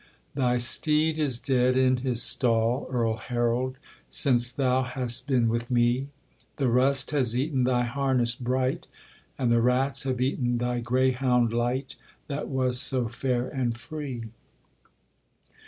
'Thy steed is dead in his stall, Earl Harold, Since thou hast been with me; The rust has eaten thy harness bright, And the rats have eaten thy greyhound light, That was so fair and free.'